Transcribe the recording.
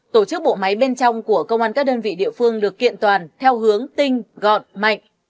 tổ chức bộ máy bên trong của công an các đơn vị địa phương được kiện toàn theo hướng tinh gọn mạnh